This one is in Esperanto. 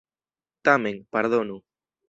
Tamen, pardonu.